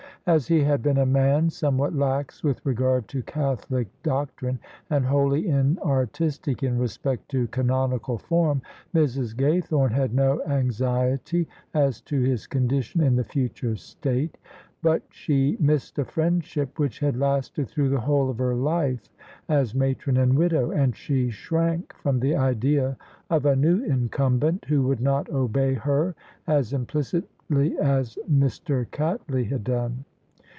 As he had been a man somewhat lax with regard to Catholic doctrine, and wholly inartistic in respect to canonical form, Mrs. Gaythome had no anxiety as to his condition in die future state: but she missed a friendship which had lasted through the whole of her life as matron and widow, and she shrank from the idea of a new incumbent who would not obey her as implicidy as Mr. Catdey had done.